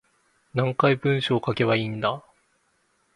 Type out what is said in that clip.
何回文章書けばいいんだ